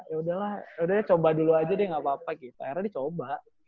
ya udahlah udah coba dulu aja deh nggak apa apa gitu akhirnya dicoba